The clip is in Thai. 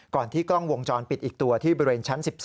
ก่อนที่กล้องวงจรปิดอีกตัวที่บริเวณชั้น๑๒